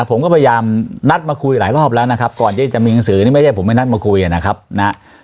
ผมก็พยายามนัดมาคุยหลายรอบแล้วนะครับก่อนที่จะมีหนังสือนี่ไม่ใช่ผมไม่นัดมาคุยนะครับนะ